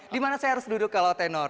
dimana saya harus duduk kalau tenor